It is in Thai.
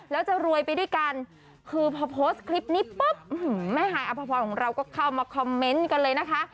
แล้วจะรวยไปด้วยกันคือพอโพสต์คลิปนี้ปุ๊บแม่ฮายอภพรของเราก็เข้ามาคอมเมนต์กันเลยนะคะ